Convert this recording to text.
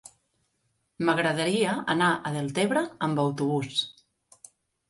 M'agradaria anar a Deltebre amb autobús.